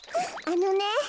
あのね。